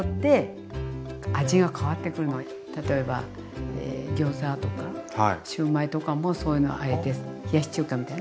毎日例えばギョーザとかシューマイとかもそういうのをあえて冷やし中華みたいな。